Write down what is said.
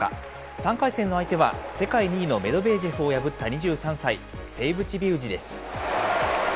３回戦の相手は世界２位のメドベージェフを破った２３歳、セイブチビウジです。